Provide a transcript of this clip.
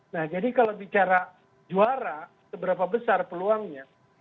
nah jadi kalau bicara juara seberapa besar peluangnya